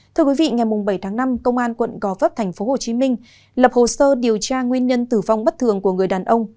thưa quý vị ngày bảy tháng năm công an quận gò vấp tp hcm lập hồ sơ điều tra nguyên nhân tử vong bất thường của người đàn ông